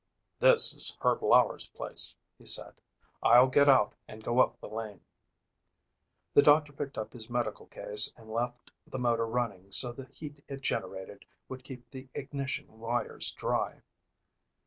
"This is Herb Lauer's place," he said. "I'll get out and go up the lane." The doctor picked up his medical case and left the motor running so the heat it generated would keep ignition wires dry.